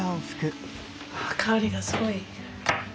香りがすごい。